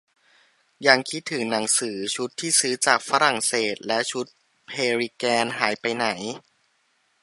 ยังคิดถึงหนังสือชุดที่ซื้อจากฝรั่งเศสและชุดเพลิแกน หายไปไหน